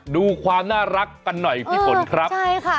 ดูความน่ารักกันหน่อยพี่ฝนครับใช่ค่ะ